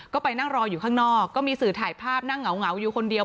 ก็ไปนั่งรออยู่ข้างนอกก็มีสื่อถ่ายภาพนั่งเหงาอยู่คนเดียว